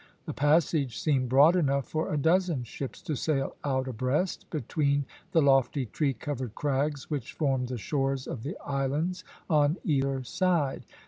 The passage seemed broad enough for a dozen ships to sail out abreast, between the lofty tree covered crags which formed the shores of the islands on either side.